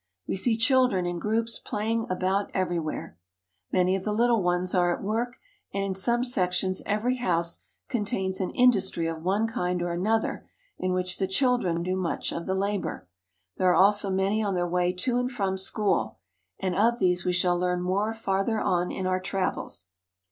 We see children in groups playing about everywhere. 44 JAPAN Many of the little ones are at work, and in some sections every house contains an industry of one kind or another in which the children do much of the labor. There are also many on their way to and from school, and of these we shall learn more farther on in our travels.